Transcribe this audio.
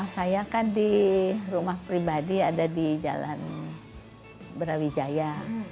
saya kan di rumah pribadi ada di jalan brawijaya